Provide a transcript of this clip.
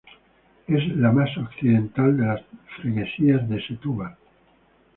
Es la más occidental de las freguesías de Setúbal.